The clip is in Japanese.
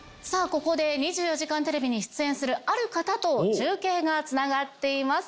ここで『２４時間テレビ』に出演するある方と中継がつながっています